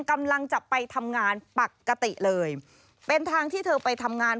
กำลังจะไปทำงานปกติเลยเป็นทางที่เธอไปทำงาน